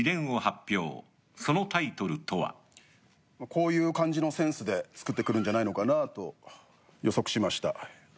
まあこういう感じのセンスで作ってくるんじゃないのかなと予測しました。